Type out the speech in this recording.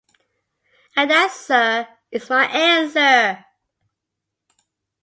And that, sir, is my answer!